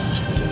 aku bisa jalan